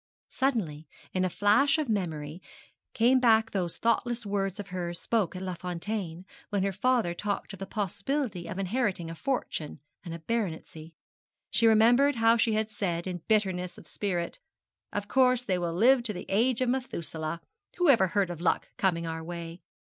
Suddenly, in a flash of memory, came back those thoughtless words of hers spoke at Les Fontaines, when her father talked of the possibility of inheriting a fortune and a baronetcy. She remembered how she had said, in bitterness of spirit, 'Of course they will live to the age of Methuselah. Whoever heard of luck coming our way?'